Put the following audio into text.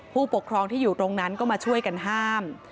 ผู้ปกครองที่อยู่ตรงนั้นก็มาช่วยกันห้าม